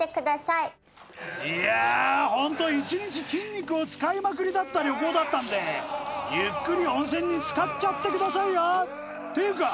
いやホント一日筋肉を使いまくりだった旅行だったんでゆっくり温泉につかっちゃってくださいよていうか